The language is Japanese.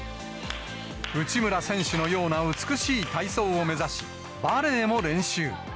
内村選手のような美しい体操を目指し、バレエも練習。